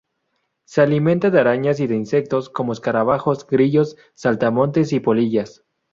Se alimenta de arañas y de insectos como escarabajos, grillos, saltamontes y polillas.